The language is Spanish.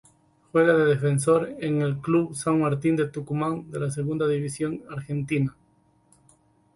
Juega de defensor en Club San Martín de Tucumán de la Segunda División Argentina.